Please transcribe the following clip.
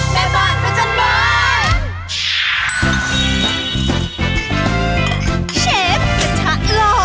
แม่บ้านพระจันทร์บ้าน